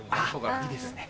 あぁいいですね。